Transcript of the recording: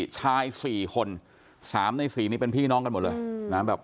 ชายสี่คน๓ใน๔เป็นพี่น้องกันหมดล่ะ